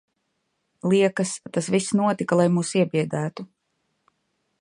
Liekas, tas viss notika, lai mūs iebiedētu.